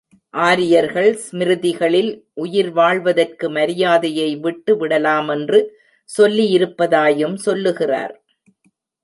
ஆரியர்கள் ஸ்மிருதிகளில் உயிர் வாழ்வதற்கு மரியாதையை விட்டு விடலாமென்று சொல்லியிருப்பதாயும் சொல்லுகிறார்.